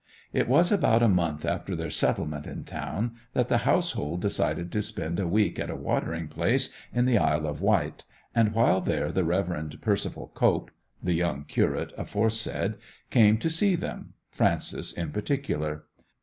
It was about a month after their settlement in town that the household decided to spend a week at a watering place in the Isle of Wight, and while there the Reverend Percival Cope (the young curate aforesaid) came to see them, Frances in particular.